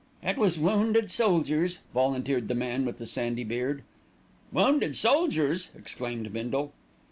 "It was wounded soldiers," volunteered the man with the sandy beard. "Wounded soldiers!" exclaimed Bindle.